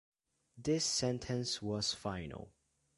This sentence was final.